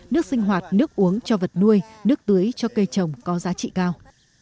nước sinh hoạt nước uống cho vật nuôi nước tưới cho cây trồng có giá trị cao